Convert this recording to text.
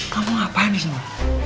kamu ngapain disini